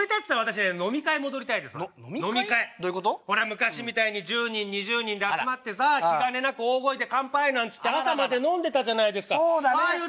昔みたいに１０人２０人で集まってさ気兼ねなく大声で「乾杯」なんつって朝まで飲んでたじゃないですか。